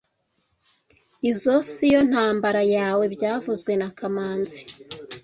Izoi si yo ntambara yawe byavuzwe na kamanzi